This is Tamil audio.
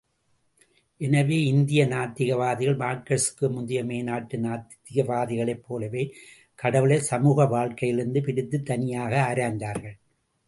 ஆயினும் இந்திய நாத்திகவாதிகள் மார்க்சுக்கு முந்திய மேநாட்டு நாத்திகவாதிகளைப் போலவே கடவுளை சமூக வாழ்க்கையிலிருந்து பிரித்து தனியாக ஆராய்ந்தார்கள்.